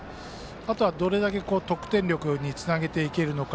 あとはどれだけ得点力につなげていけるのか。